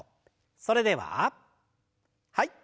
それでははい。